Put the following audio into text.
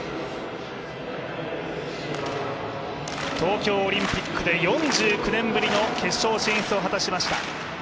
東京オリンピックで４９年ぶりの決勝進出を果たしました。